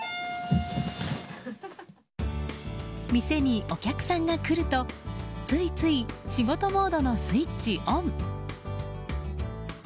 店にお客さんが来るとついつい仕事モードのスイッチオン。